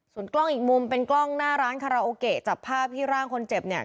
ส่วนกล้องอีกมุมเป็นกล้องหน้าร้านคาราโอเกะจับภาพที่ร่างคนเจ็บเนี่ย